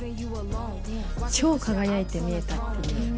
超輝いて見えたっていう。